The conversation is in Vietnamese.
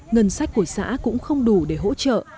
ngân sách của xã cũng không đủ để hỗ trợ